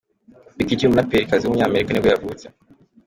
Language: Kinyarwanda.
Becky G, umuraperikazi w’umunyamerika nibwo yavutse.